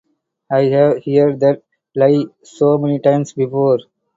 I have heard that lie so many times before.